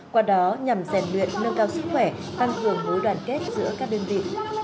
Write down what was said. qua đó nhằm rèn luyện nâng cao sức khỏe phan phường mối đoàn kết giữa các đơn vị